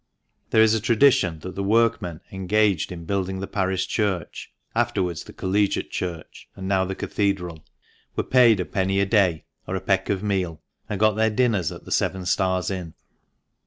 There is a tradition that the workmen engaged in building the Parish Church, afterwards the Collegiate Church, and now the Cathedral, were paid a penny a day (or a peck of meal), and got their dinners at the " Seven Stars Inn."